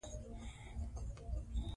د زور پر لومړي توري فشار راځي.